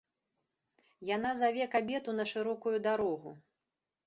Яна заве кабету на шырокую дарогу.